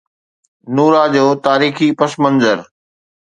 نورا جو تاريخي پس منظر